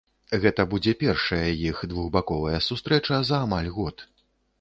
Гэта будзе першая іх двухбаковая сустрэча за амаль год.